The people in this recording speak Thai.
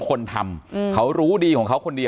การแก้เคล็ดบางอย่างแค่นั้นเอง